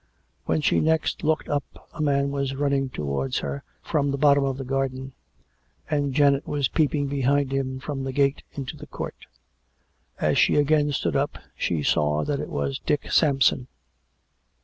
When she next looked up a man 810 7 COME RACK! COME ROPE! 217 was running towards her from the bottom of the garden, and Janet was peeping behind him from the gate into the court. As she again stood up, she saw that it was Dick Sampson.